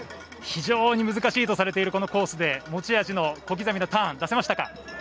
非常に難しいとされているこのコースで持ち味の小刻みなターン出せましたか。